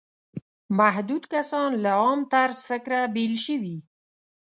محدود کسان له عام طرز فکره بېل شوي.